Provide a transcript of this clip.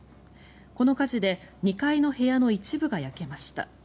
この火事で２階の部屋の一部が焼けました。